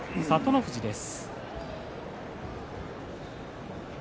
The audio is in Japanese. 富士です。